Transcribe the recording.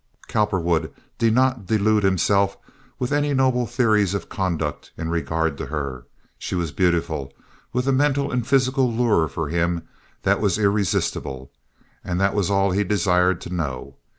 Cowperwood did not delude himself with any noble theories of conduct in regard to her. She was beautiful, with a mental and physical lure for him that was irresistible, and that was all he desired to know.